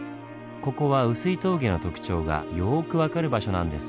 ここは碓氷峠の特徴がよく分かる場所なんです。